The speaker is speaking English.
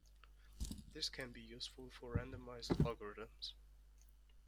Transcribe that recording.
This can be useful for randomized algorithms.